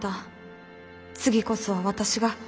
次こそは私が。